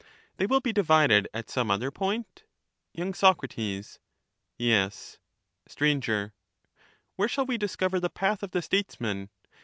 They will be divided at some other point. Y. Soc. Yes. Str. Where shall we discover the path of the Statesman